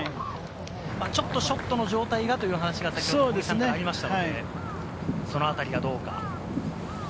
ちょっとショットの状態がという話がありましたので、そのあたりがどうか。